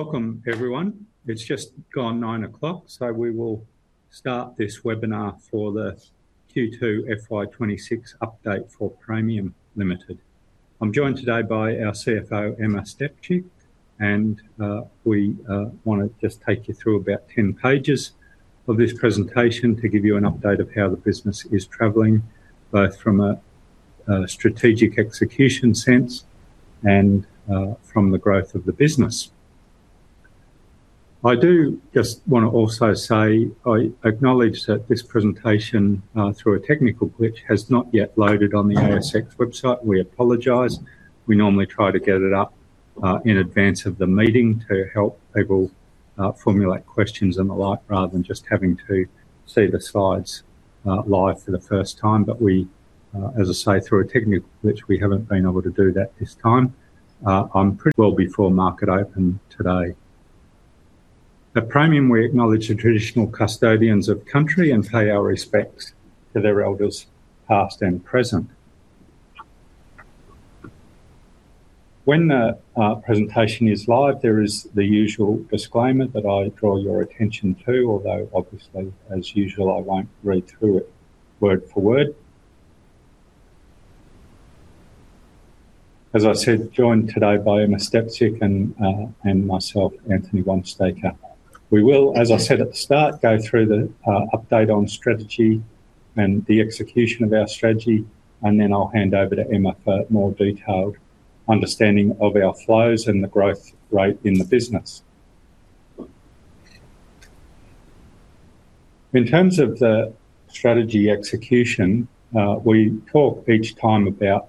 Welcome, everyone. It's just gone 9:00 A.M., so we will start this webinar for the Q2 FY26 update for Praemium Limited. I'm joined today by our CFO, Emma Stepcic, and we want to just take you through about 10 pages of this presentation to give you an update of how the business is traveling, both from a strategic execution sense and from the growth of the business. I do just want to also say I acknowledge that this presentation, through a technical glitch, has not yet loaded on the ASX website. We apologize. We normally try to get it up in advance of the meeting to help people formulate questions and the like, rather than just having to see the slides live for the first time. But we, as I say, through a technical glitch, we haven't been able to do that this time. I'm pretty well before market open today. At Praemium, we acknowledge the traditional custodians of Country and pay our respects to their Elders, past and present. When the presentation is live, there is the usual disclaimer that I draw your attention to, although obviously, as usual, I won't read through it word for word. As I said, joined today by Emma Stepcic and myself, Anthony Wamsteker. We will, as I said at the start, go through the update on strategy and the execution of our strategy, and then I'll hand over to Emma for more detailed understanding of our flows and the growth rate in the business. In terms of the strategy execution, we talk each time about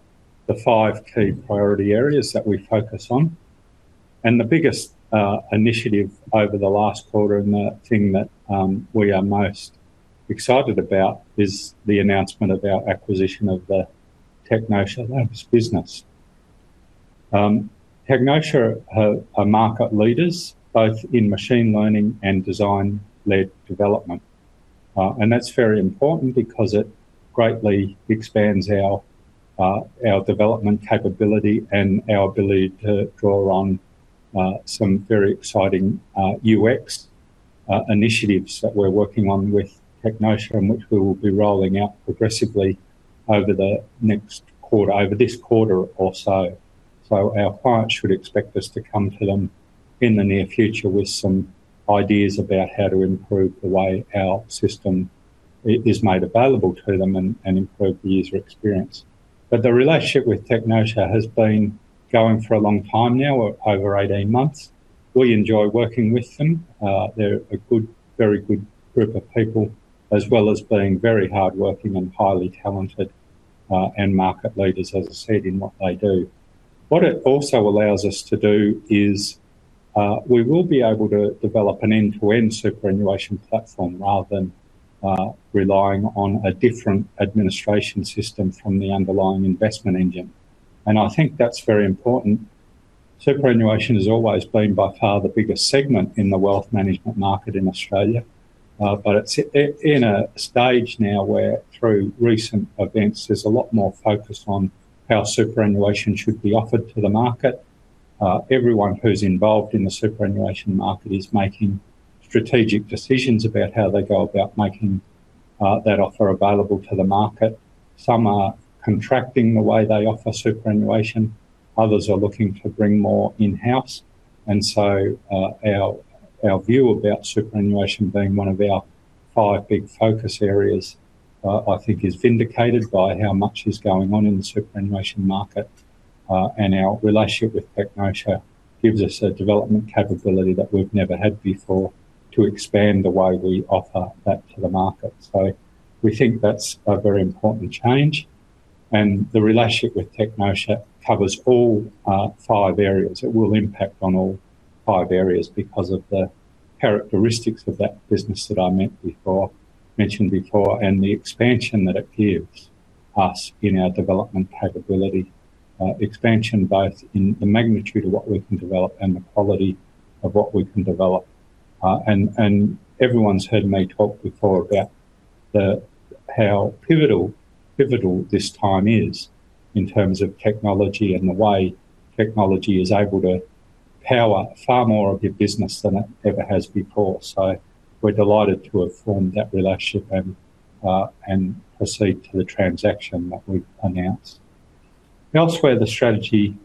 the five key priority areas that we focus on. And the biggest initiative over the last quarter, and the thing that we are most excited about, is the announcement of our acquisition of the Technotia Labs business. Technotia are market leaders, both in machine learning and design-led development. And that's very important because it greatly expands our development capability and our ability to draw on some very exciting UX initiatives that we're working on with Technotia, which we will be rolling out progressively over this quarter or so. So our clients should expect us to come to them in the near future with some ideas about how to improve the way our system is made available to them and improve the user experience. But the relationship with Technotia has been going for a long time now, over 18 months. We enjoy working with them. They're a very good group of people, as well as being very hardworking and highly talented and market leaders, as I said, in what they do. What it also allows us to do is we will be able to develop an end-to-end superannuation platform rather than relying on a different administration system from the underlying investment engine. And I think that's very important. Superannuation has always been by far the biggest segment in the wealth management market in Australia, but it's in a stage now where, through recent events, there's a lot more focus on how superannuation should be offered to the market. Everyone who's involved in the superannuation market is making strategic decisions about how they go about making that offer available to the market. Some are contracting the way they offer superannuation. Others are looking to bring more in-house. And so our view about superannuation being one of our five big focus areas, I think, is vindicated by how much is going on in the superannuation market. And our relationship with Technotia gives us a development capability that we've never had before to expand the way we offer that to the market. So we think that's a very important change. And the relationship with Technotia covers all five areas. It will impact on all five areas because of the characteristics of that business that I mentioned before and the expansion that it gives us in our development capability. Expansion both in the magnitude of what we can develop and the quality of what we can develop. And everyone's heard me talk before about how pivotal this time is in terms of technology and the way technology is able to power far more of your business than it ever has before. So we're delighted to have formed that relationship and proceed to the transaction that we've announced. Elsewhere, the strategy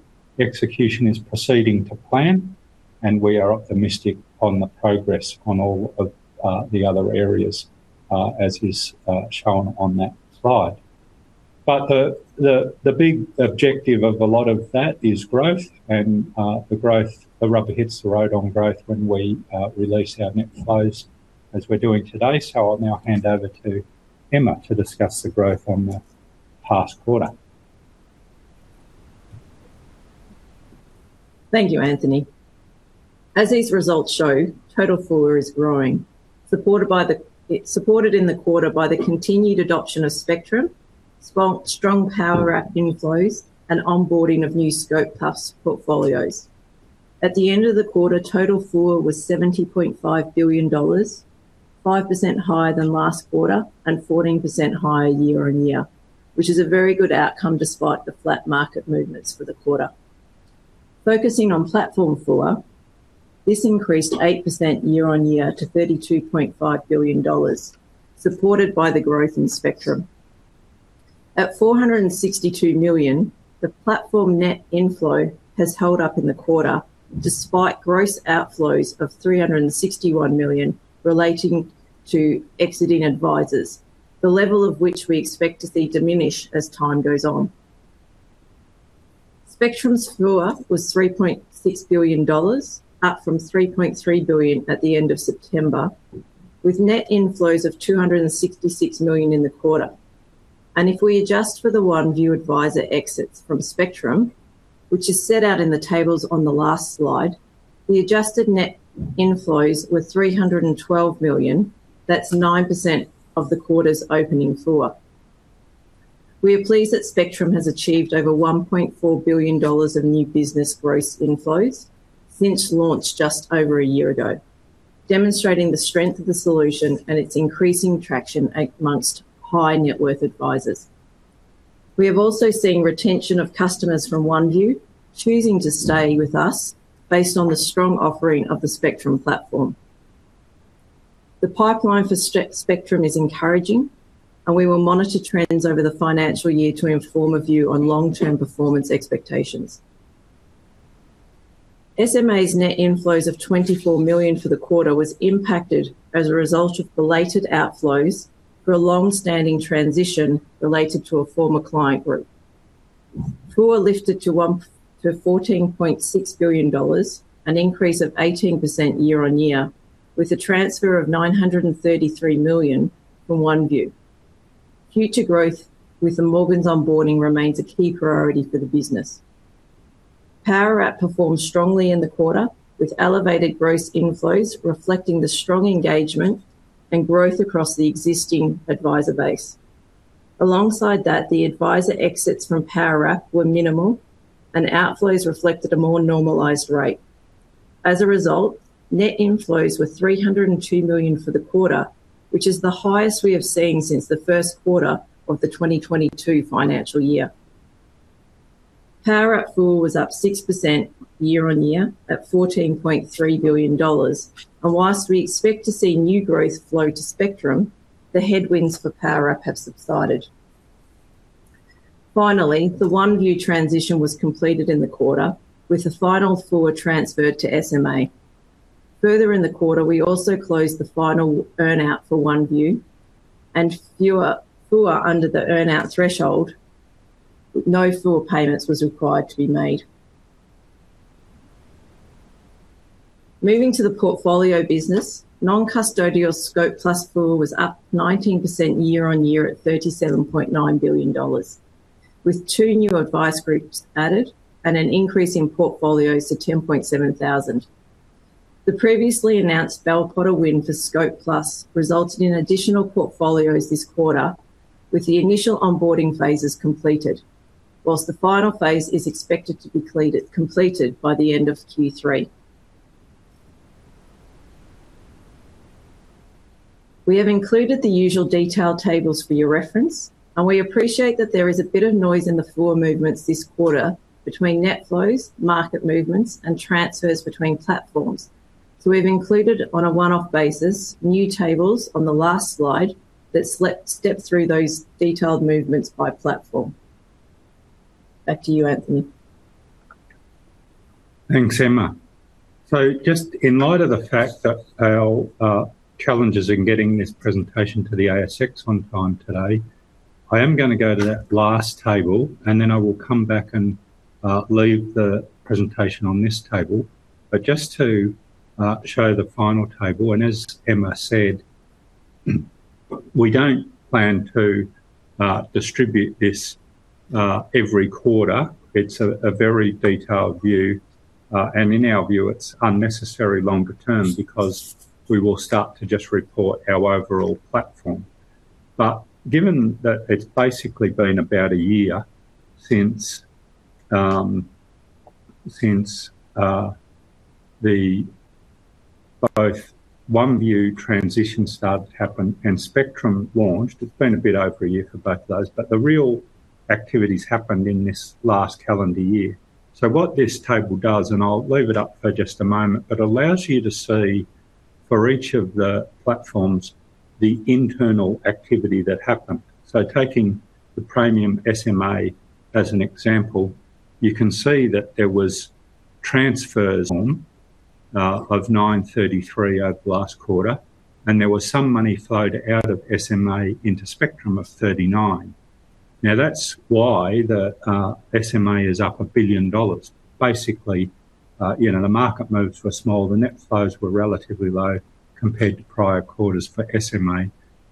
execution is proceeding to plan, and we are optimistic on the progress on all of the other areas, as is shown on that slide. But the big objective of a lot of that is growth, and the growth, the rubber hits the road on growth when we release our net flows as we're doing today, so I'll now hand over to Emma to discuss the growth on the past quarter. Thank you, Anthony. As these results show, Total FUA is growing, supported in the quarter by the continued adoption of Spectrum, strong Powerwrap inflows, and onboarding of new Scope+ portfolios. At the end of the quarter, Total FUA was 70.5 billion dollars, 5% higher than last quarter and 14% higher year-on-year, which is a very good outcome despite the flat market movements for the quarter. Focusing on Platform FUA, this increased 8% year-on-year to 32.5 billion dollars, supported by the growth in Spectrum. At 462 million, the platform net inflow has held up in the quarter despite gross outflows of 361 million relating to exiting advisors, the level of which we expect to see diminish as time goes on. Spectrum's FUA was 3.6 billion dollars, up from 3.3 billion at the end of September, with net inflows of 266 million in the quarter. If we adjust for the OneVue advisor exits from Spectrum, which is set out in the tables on the last slide, the adjusted net inflows were 312 million. That's 9% of the quarter's opening FUA. We are pleased that Spectrum has achieved over 1.4 billion dollars of new business gross inflows since launch just over a year ago, demonstrating the strength of the solution and its increasing traction among high-net-worth advisors. We have also seen retention of customers from OneVue choosing to stay with us based on the strong offering of the Spectrum platform. The pipeline for Spectrum is encouraging, and we will monitor trends over the financial year to inform a view on long-term performance expectations. SMA's net inflows of 24 million for the quarter was impacted as a result of belated outflows for a long-standing transition related to a former client group. FUA lifted to 14.6 billion dollars, an increase of 18% year-on-year, with a transfer of 933 million from OneVue. Future growth with the Morgans onboarding remains a key priority for the business. Powerwrap performed strongly in the quarter, with elevated gross inflows reflecting the strong engagement and growth across the existing advisor base. Alongside that, the advisor exits from Powerwrap were minimal, and outflows reflected a more normalized rate. As a result, net inflows were 302 million for the quarter, which is the highest we have seen since the first quarter of the 2022 financial year. Powerwrap FUA was up 6% year-on-year at 14.3 billion dollars. And whilst we expect to see new growth flow to Spectrum, the headwinds for Powerwrap have subsided. Finally, the OneVue transition was completed in the quarter, with the final FUA transferred to SMA. Further in the quarter, we also closed the final earnout for OneVue, and FUA under the earnout threshold, no FUA payments were required to be made. Moving to the portfolio business, non-custodial Scope+ FUA was up 19% year-on-year at 37.9 billion dollars, with two new advice groups added and an increase in portfolios to 10.7 thousand. The previously announced Bell Potter win for Scope+ resulted in additional portfolios this quarter, with the initial onboarding phases completed, while the final phase is expected to be completed by the end of Q3. We have included the usual detailed tables for your reference, and we appreciate that there is a bit of noise in the FUA movements this quarter between net flows, market movements, and transfers between platforms. So we've included on a one-off basis new tables on the last slide that step through those detailed movements by platform. Back to you, Anthony. Thanks, Emma. So just in light of the fact that our challenge is in getting this presentation to the ASX on time today, I am going to go to that last table, and then I will come back and leave the presentation on this table. But just to show the final table, and as Emma said, we don't plan to distribute this every quarter. It's a very detailed view. And in our view, it's unnecessary longer term because we will start to just report our overall platform. But given that it's basically been about a year since both OneVue transition started to happen and Spectrum launched, it's been a bit over a year for both of those. But the real activities happened in this last calendar year. So what this table does, and I'll leave it up for just a moment, but allows you to see for each of the platforms the internal activity that happened. So taking the Praemium SMA as an example, you can see that there was transfers of 933 million over the last quarter, and there was some money flowed out of SMA into Spectrum of 39 million. Now, that's why the SMA is up a billion dollars. Basically, the market moves were small, the net flows were relatively low compared to prior quarters for SMA,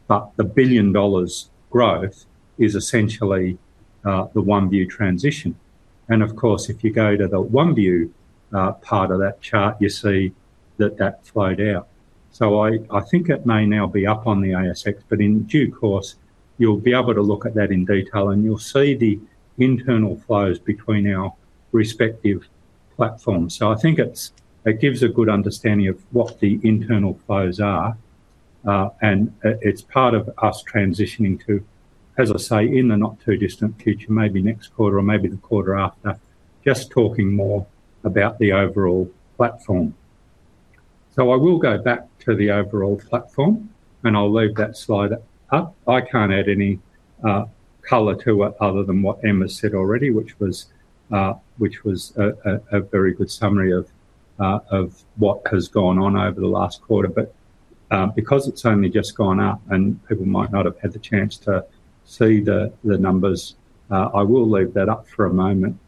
but the billion dollars growth is essentially the OneVue transition. And of course, if you go to the OneVue part of that chart, you see that that flowed out. So I think it may now be up on the ASX, but in due course, you'll be able to look at that in detail, and you'll see the internal flows between our respective platforms. So I think it gives a good understanding of what the internal flows are. And it's part of us transitioning to, as I say, in the not too distant future, maybe next quarter or maybe the quarter after, just talking more about the overall platform. So I will go back to the overall platform, and I'll leave that slide up. I can't add any color to it other than what Emma said already, which was a very good summary of what has gone on over the last quarter. But because it's only just gone up and people might not have had the chance to see the numbers, I will leave that up for a moment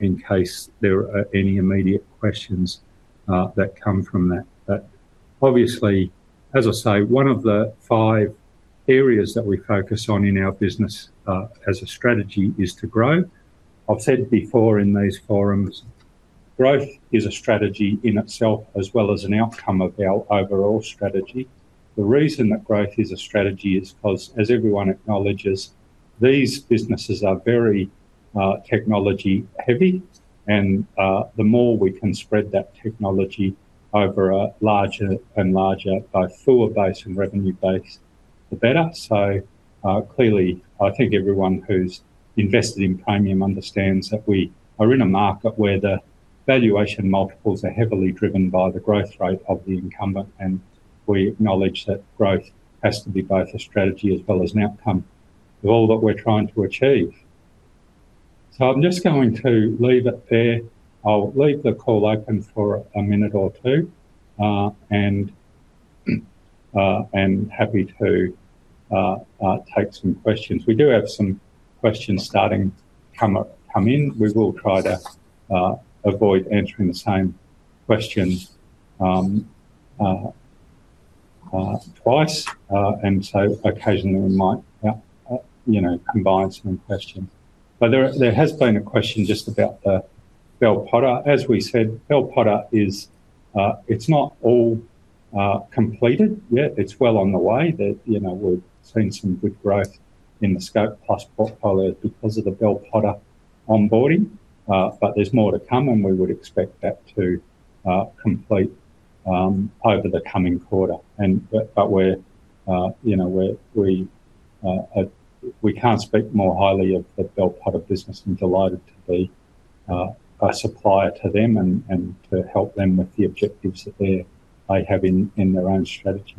in case there are any immediate questions that come from that. But obviously, as I say, one of the five areas that we focus on in our business as a strategy is to grow. I've said before in these forums, growth is a strategy in itself as well as an outcome of our overall strategy. The reason that growth is a strategy is because, as everyone acknowledges, these businesses are very technology-heavy. And the more we can spread that technology over a larger and larger FUA base and revenue base, the better. So clearly, I think everyone who's invested in Praemium understands that we are in a market where the valuation multiples are heavily driven by the growth rate of the incumbent. We acknowledge that growth has to be both a strategy as well as an outcome of all that we're trying to achieve. I'm just going to leave it there. I'll leave the call open for a minute or two and happy to take some questions. We do have some questions starting to come in. We will try to avoid answering the same question twice and so occasionally, we might combine some questions. There has been a question just about the Bell Potter. As we said, Bell Potter is not all completed yet. It's well on the way. We've seen some good growth in the Scope+ portfolio because of the Bell Potter onboarding. There's more to come, and we would expect that to complete over the coming quarter. But we can't speak more highly of the Bell Potter business and delighted to be a supplier to them and to help them with the objectives that they have in their own strategy.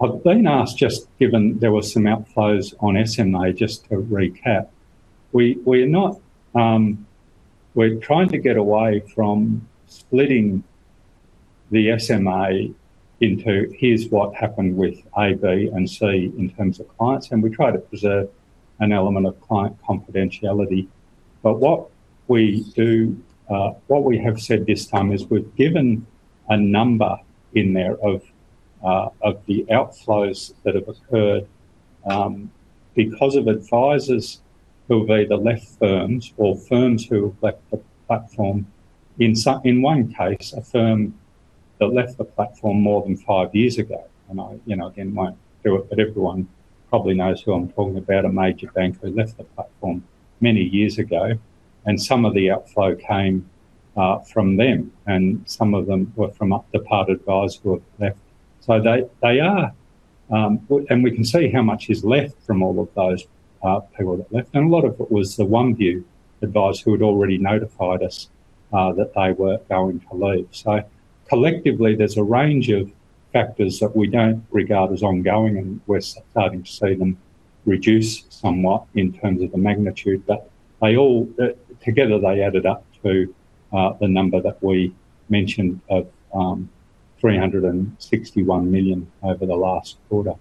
I've been asked just given there were some outflows on SMA, just to recap, we're trying to get away from splitting the SMA into, "Here's what happened with A, B, and C in terms of clients." And we try to preserve an element of client confidentiality. But what we have said this time is we've given a number in there of the outflows that have occurred because of advisors who have either left firms or firms who have left the platform. In one case, a firm that left the platform more than five years ago. I again won't do it, but everyone probably knows who I'm talking about, a major bank who left the platform many years ago. Some of the outflow came from them, and some of them were from departed advisors who have left. They are, and we can see how much is left from all of those people that left. A lot of it was the OneVue advisors who had already notified us that they were going to leave. Collectively, there's a range of factors that we don't regard as ongoing, and we're starting to see them reduce somewhat in terms of the magnitude. Together, they added up to the number that we mentioned of 361 million over the last quarter.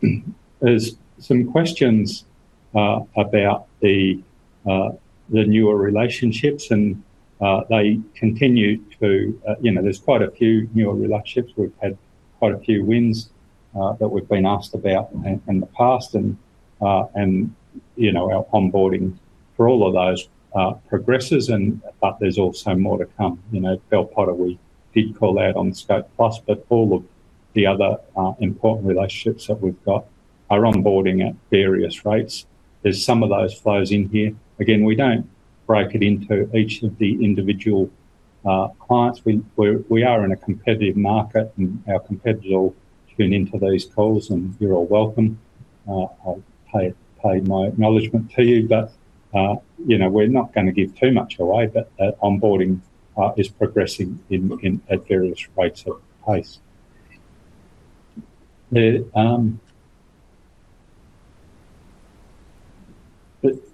There are some questions about the newer relationships, and they continue to. There are quite a few newer relationships. We've had quite a few wins that we've been asked about in the past, and our onboarding for all of those progresses. But there's also more to come. Bell Potter, we did call out on Scope+, but all of the other important relationships that we've got are onboarding at various rates. There's some of those flows in here. Again, we don't break it into each of the individual clients. We are in a competitive market, and our competitors all tune into these calls, and you're all welcome. I'll pay my acknowledgement to you. But we're not going to give too much away, but onboarding is progressing at various rates of pace.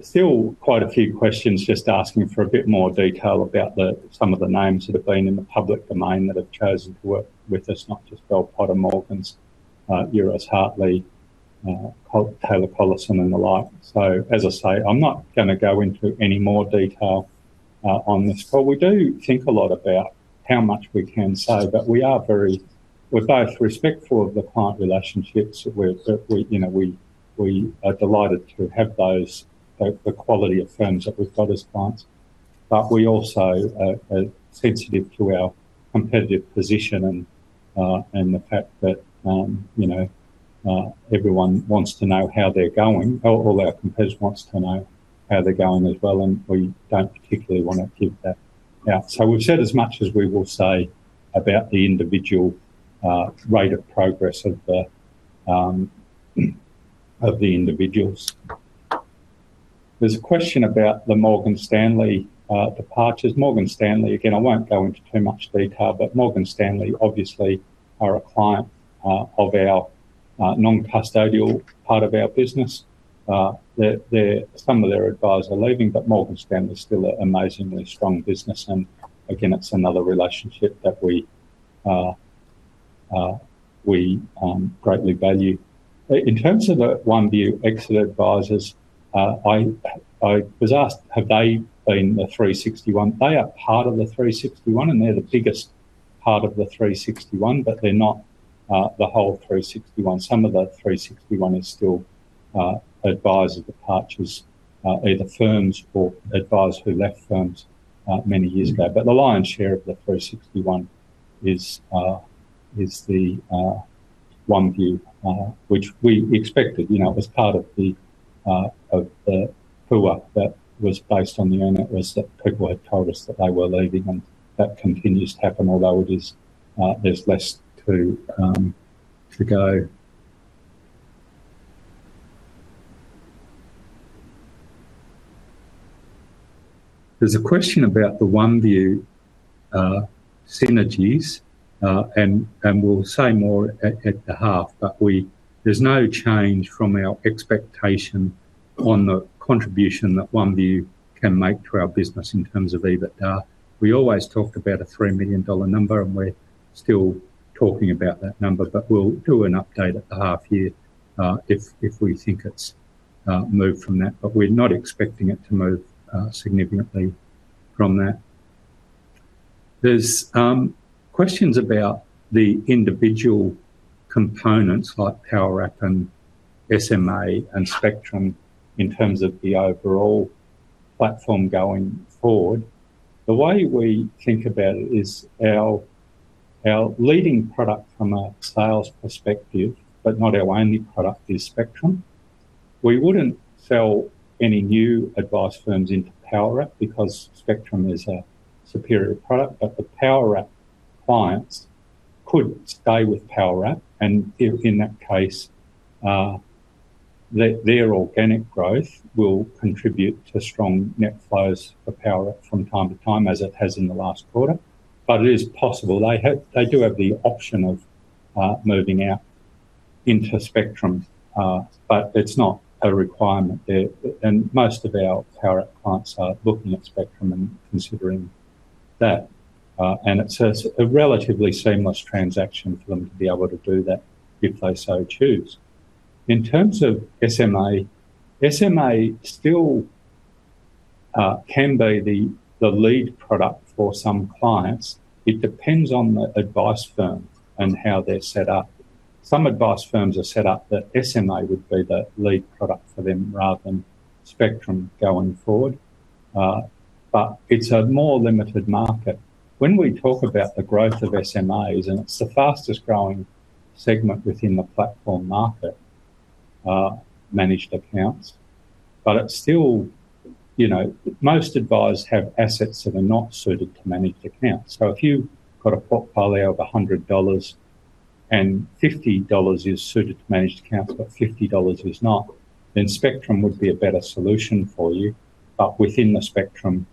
Still, quite a few questions just asking for a bit more detail about some of the names that have been in the public domain that have chosen to work with us, not just Bell Potter, Morgans, Euroz Hartleys, Taylor Collison, and the like. So as I say, I'm not going to go into any more detail on this call. We do think a lot about how much we can say, but we are very—we're both respectful of the client relationships. We are delighted to have the quality of firms that we've got as clients. But we also are sensitive to our competitive position and the fact that everyone wants to know how they're going. All our competitors want to know how they're going as well, and we don't particularly want to give that out. So we've said as much as we will say about the individual rate of progress of the individuals. There's a question about the Morgan Stanley departures. Morgan Stanley, again, I won't go into too much detail, but Morgan Stanley obviously are a client of our non-custodial part of our business. Some of their advisors are leaving, but Morgan Stanley is still an amazingly strong business. And again, it's another relationship that we greatly value. In terms of the OneVue exit advisors, I was asked, "Have they been the 361?" They are part of the 361, and they're the biggest part of the 361, but they're not the whole 361. Some of the 361 are still advisors' departures, either firms or advisors who left firms many years ago. But the lion's share of the 361 is the OneVue, which we expected as part of the FUA that was based on the. It was that people had told us that they were leaving, and that continues to happen, although there's less to go. There's a question about the OneVue synergies, and we'll say more at the half, but there's no change from our expectation on the contribution that OneVue can make to our business in terms of EBITDA. We always talked about a 3 million dollar number, and we're still talking about that number, but we'll do an update at the half year if we think it's moved from that. But we're not expecting it to move significantly from that. There's questions about the individual components like Powerwrap and SMA and Spectrum in terms of the overall platform going forward. The way we think about it is our leading product from a sales perspective, but not our only product, is Spectrum. We wouldn't sell any new advice firms into Powerwrap because Spectrum is a superior product, but the Powerwrap clients could stay with Powerwrap. And in that case, their organic growth will contribute to strong net flows for Powerwrap from time to time, as it has in the last quarter. But it is possible. They do have the option of moving out into Spectrum, but it's not a requirement there. And most of our Powerwrap clients are looking at Spectrum and considering that. And it's a relatively seamless transaction for them to be able to do that if they so choose. In terms of SMA, SMA still can be the lead product for some clients. It depends on the advice firm and how they're set up. Some advice firms are set up that SMA would be the lead product for them rather than Spectrum going forward. But it's a more limited market. When we talk about the growth of SMAs, and it's the fastest growing segment within the platform market, managed accounts, but it's still most advisors have assets that are not suited to managed accounts. So if you've got a portfolio of 100 dollars and 50 dollars is suited to managed accounts, but 50 dollars is not, then Spectrum would be a better solution for you. But within the Spectrum,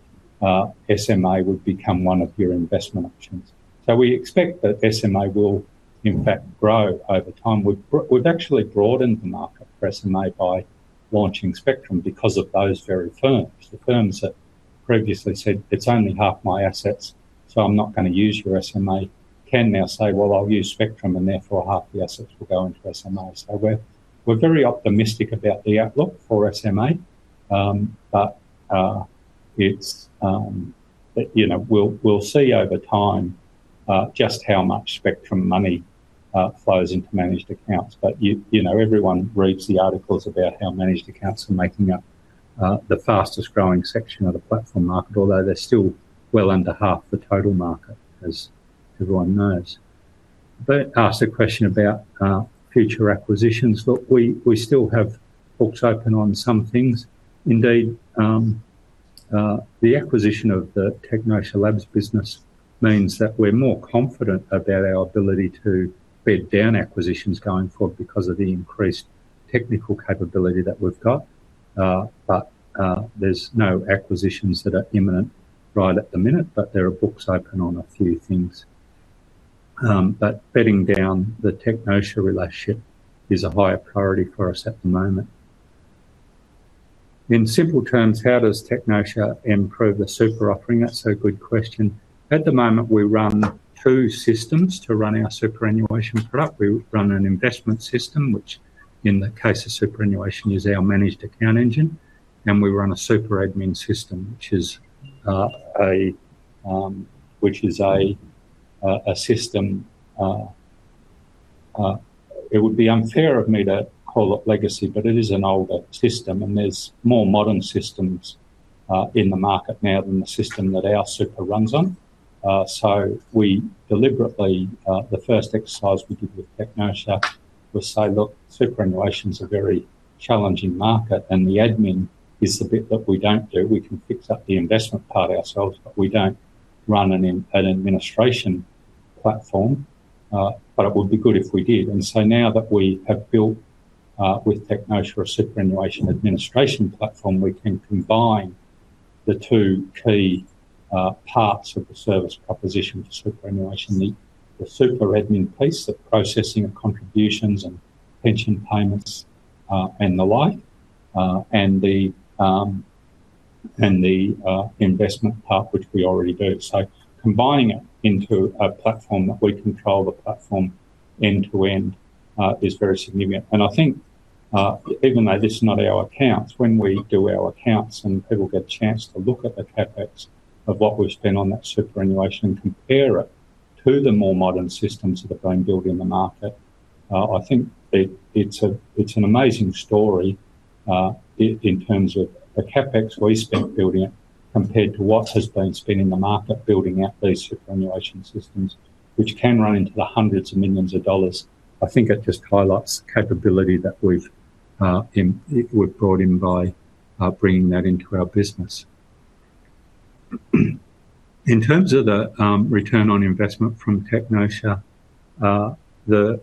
SMA would become one of your investment options. So we expect that SMA will, in fact, grow over time. We've actually broadened the market for SMA by launching Spectrum because of those very firms. The firms that previously said, "It's only half my assets, so I'm not going to use your SMA," can now say, "Well, I'll use Spectrum, and therefore, half the assets will go into SMA." So we're very optimistic about the outlook for SMA, but we'll see over time just how much Spectrum money flows into managed accounts. But everyone reads the articles about how managed accounts are making up the fastest growing section of the platform market, although they're still well under half the total market, as everyone knows. I asked a question about future acquisitions. Look, we still have books open on some things. Indeed, the acquisition of the Technotia Labs business means that we're more confident about our ability to bid on acquisitions going forward because of the increased technical capability that we've got. But there's no acquisitions that are imminent right at the minute, but there are books open on a few things. But building on the Technotia relationship is a higher priority for us at the moment. In simple terms, how does Technotia improve the super offering? That's a good question. At the moment, we run two systems to run our superannuation product. We run an investment system, which in the case of superannuation is our managed account engine. And we run a super admin system, which is a system. It would be unfair of me to call it legacy, but it is an older system. And there's more modern systems in the market now than the system that our super runs on. So deliberately, the first exercise we did with Technotia was say, "Look, superannuation is a very challenging market, and the admin is the bit that we don't do. We can fix up the investment part ourselves, but we don't run an administration platform. But it would be good if we did." And so now that we have built with Technotia a superannuation administration platform, we can combine the two key parts of the service proposition for superannuation: the super admin piece, the processing of contributions and pension payments and the like, and the investment part, which we already do. So combining it into a platform that we control the platform end to end is very significant. I think even though this is not our accounts, when we do our accounts and people get a chance to look at the CapEx of what we've spent on that superannuation and compare it to the more modern systems that have been built in the market, I think it's an amazing story in terms of the CapEx we spent building it compared to what has been spent in the market building out these superannuation systems, which can run into the hundreds of millions of dollars. I think it just highlights the capability that we've brought in by bringing that into our business. In terms of the return on investment from Technotia, the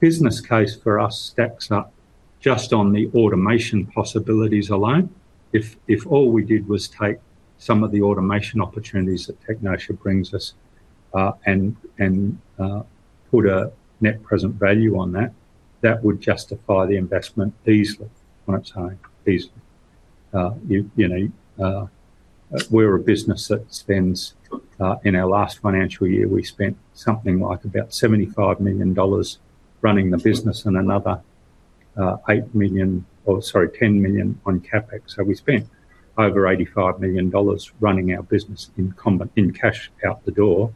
business case for us stacks up just on the automation possibilities alone. If all we did was take some of the automation opportunities that Technotia brings us and put a net present value on that, that would justify the investment easily, on its own, easily. We're a business that spends in our last financial year, we spent something like about 75 million dollars running the business and another 8 million or, sorry, 10 million on CapEx. So we spent over 85 million dollars running our business in cash out the door,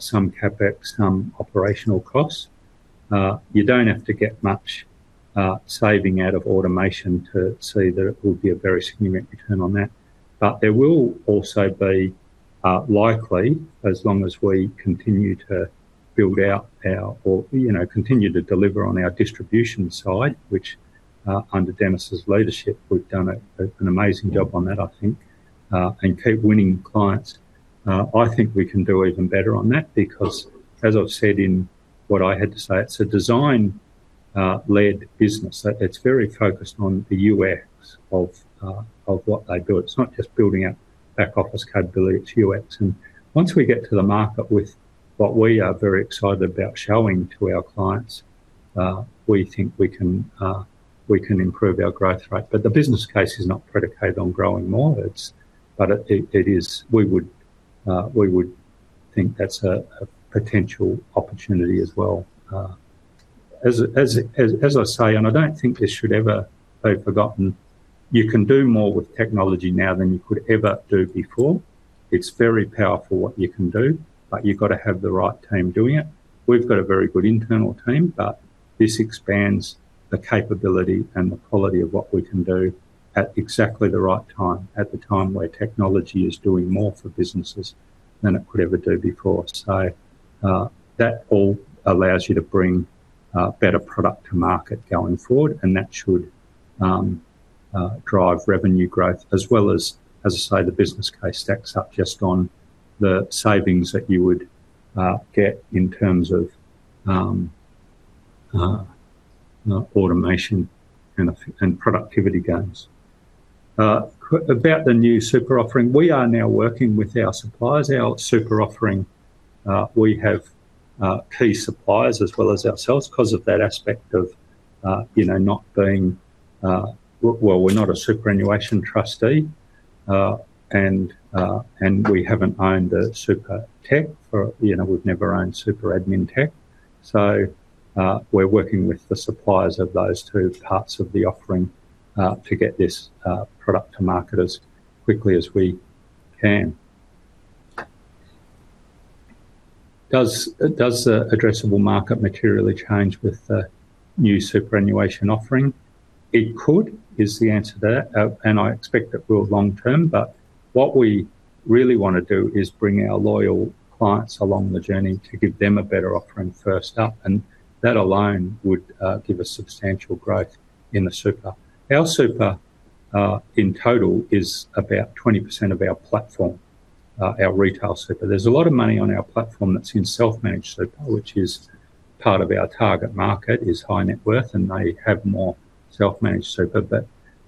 some CapEx, some operational costs. You don't have to get much saving out of automation to see that it will be a very significant return on that. But there will also be likely, as long as we continue to build out our or continue to deliver on our distribution side, which under Denis's leadership, we've done an amazing job on that, I think, and keep winning clients. I think we can do even better on that because, as I've said in what I had to say, it's a design-led business. It's very focused on the UX of what they do. It's not just building out back-office capability. It's UX. And once we get to the market with what we are very excited about showing to our clients, we think we can improve our growth rate. But the business case is not predicated on growing more, but we would think that's a potential opportunity as well. As I say, and I don't think this should ever be forgotten, you can do more with technology now than you could ever do before. It's very powerful what you can do, but you've got to have the right team doing it. We've got a very good internal team, but this expands the capability and the quality of what we can do at exactly the right time, at the time where technology is doing more for businesses than it could ever do before. So that all allows you to bring better product to market going forward, and that should drive revenue growth, as well as, as I say, the business case stacks up just on the savings that you would get in terms of automation and productivity gains. About the new super offering, we are now working with our suppliers. Our super offering, we have key suppliers as well as ourselves because of that aspect of not being, we're not a superannuation trustee, and we haven't owned a super tech. We've never owned super admin tech. We're working with the suppliers of those two parts of the offering to get this product to market as quickly as we can. Does the addressable market materially change with the new superannuation offering? It could, is the answer to that. I expect it will long term. What we really want to do is bring our loyal clients along the journey to give them a better offering first up. That alone would give us substantial growth in the super. Our super, in total, is about 20% of our platform, our retail super. There's a lot of money on our platform that's in self-managed super, which is part of our target market, is high net worth, and they have more self-managed super.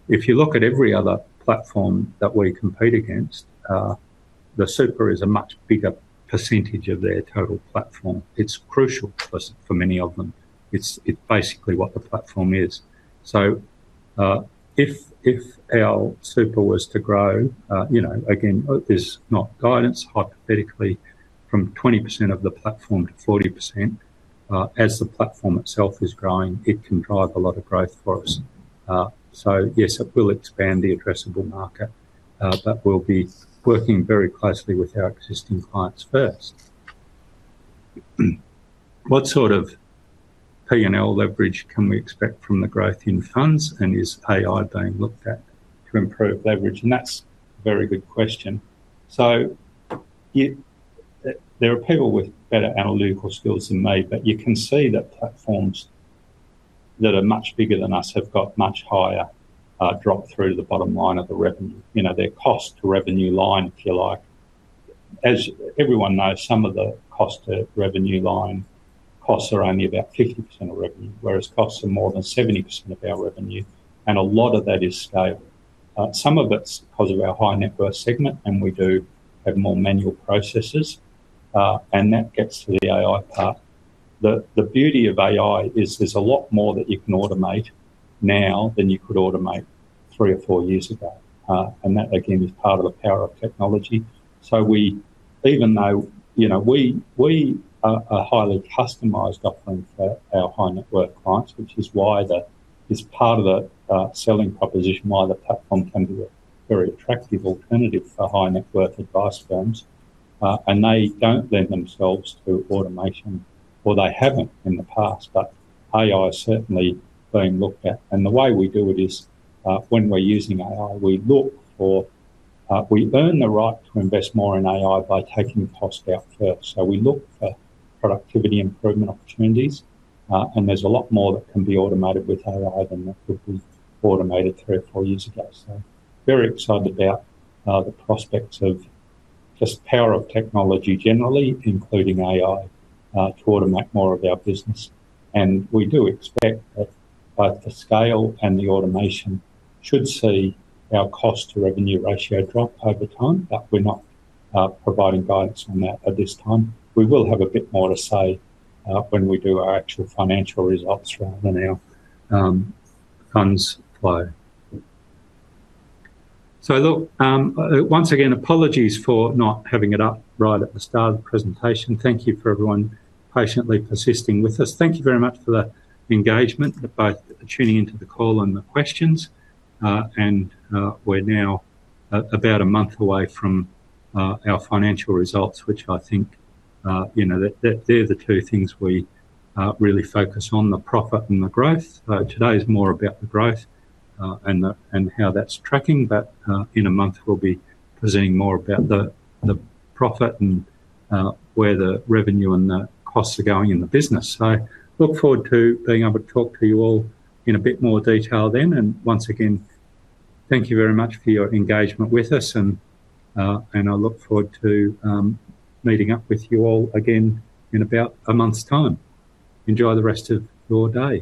If you look at every other platform that we compete against, the super is a much bigger percentage of their total platform. It's crucial for many of them. It's basically what the platform is. So if our super was to grow, again, there's no guidance, hypothetically, from 20% of the platform to 40%. As the platform itself is growing, it can drive a lot of growth for us. So yes, it will expand the addressable market, but we'll be working very closely with our existing clients first. What sort of P&L leverage can we expect from the growth in funds, and is AI being looked at to improve leverage? And that's a very good question. So there are people with better analytical skills than me, but you can see that platforms that are much bigger than us have got much higher drop-through to the bottom line of the revenue. Their cost-to-revenue line, if you like. As everyone knows, some of the cost-to-revenue line costs are only about 50% of revenue, whereas costs are more than 70% of our revenue. And a lot of that is scale. Some of it's because of our high-net-worth segment, and we do have more manual processes. And that gets to the AI part. The beauty of AI is there's a lot more that you can automate now than you could automate three or four years ago. And that, again, is part of the power of technology. So even though we are a highly customized offering for our high-net-worth clients, which is why it's part of the selling proposition, why the platform can be a very attractive alternative for high-net-worth advice firms. And they don't lend themselves to automation, or they haven't in the past, but AI is certainly being looked at. And the way we do it is when we're using AI, we look for we earn the right to invest more in AI by taking costs out first. So we look for productivity improvement opportunities. And there's a lot more that can be automated with AI than that could be automated three or four years ago. So very excited about the prospects of just power of technology generally, including AI, to automate more of our business. And we do expect that both the scale and the automation should see our cost-to-revenue ratio drop over time, but we're not providing guidance on that at this time. We will have a bit more to say when we do our actual financial results rather than our funds flow. So look, once again, apologies for not having it up right at the start of the presentation. Thank you for everyone patiently persisting with us. Thank you very much for the engagement, both tuning into the call and the questions. And we're now about a month away from our financial results, which I think they're the two things we really focus on: the profit and the growth. Today is more about the growth and how that's tracking. But in a month, we'll be presenting more about the profit and where the revenue and the costs are going in the business. So look forward to being able to talk to you all in a bit more detail then. And once again, thank you very much for your engagement with us. And I look forward to meeting up with you all again in about a month's time. Enjoy the rest of your day.